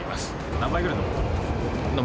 何杯ぐらい飲みますか。